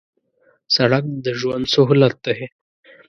سړک د ژوند سهولت دی